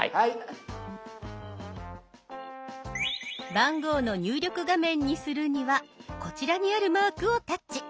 番号の入力画面にするにはこちらにあるマークをタッチ。